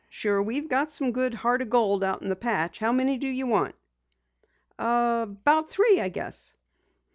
Sure, we've got some good Heart o' Gold out in the patch. How many do you want?" "About three, I guess."